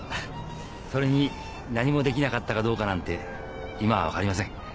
それに何もできなかったかどうかなんて今は分かりません。